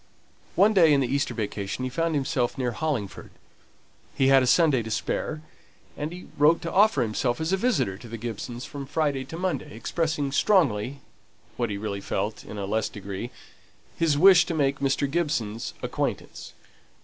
One day in the Easter vacation he found himself near Hollingford; he had a Sunday to spare, and he wrote to offer himself as a visitor to the Gibsons from Friday till Monday, expressing strongly (what he really felt, in a less degree,) his wish to make Mr. Gibson's acquaintance.